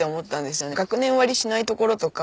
学年割りしないところとか。